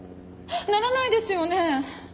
ならないですよね！？